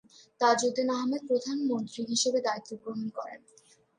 তাজউদ্দীন আহমদ প্রধানমন্ত্রী হিসেবে দায়িত্ব গ্রহণ করেন।